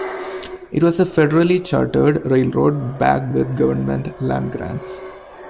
It was a federally chartered railroad, backed with government land grants.